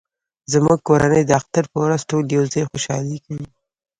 زموږ کورنۍ د اختر په ورځ ټول یو ځای خوشحالي کوي